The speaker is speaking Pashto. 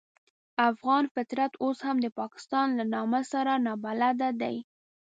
افغان فطرت اوس هم د پاکستان له نامه سره نابلده دی.